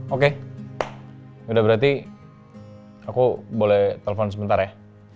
oke udah berarti aku boleh telepon sebentar ya